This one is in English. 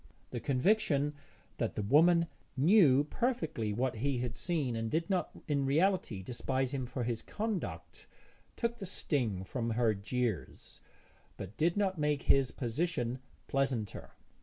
The conviction that the woman knew perfectly what he had seen and did not in reality despise him for his conduct, took the sting from her jeers but did not make his position pleasanter.